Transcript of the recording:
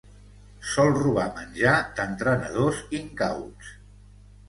Sol robar menjar d'entrenadors incauts.